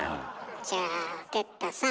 じゃあ哲太さん。